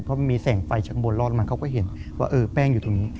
เพราะมีแสงไฟข้างบนรอดมาเขาก็เห็นว่าเออแป้งอยู่ตรงนี้